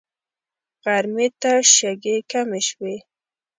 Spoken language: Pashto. غرمې ته شګې کمې شوې.